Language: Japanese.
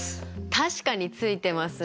確かについてますね。